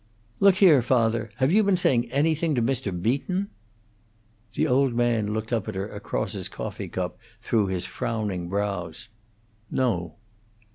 "Look here, father! Have you been saying anything to Mr. Beaton?" The old man looked up at her across his coffee cup through his frowning brows. "No."